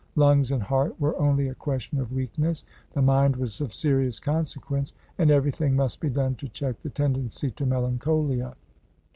Lungs and heart were only a question of weakness. The mind was of serious consequence; and everything must be done to check the tendency to melancholia.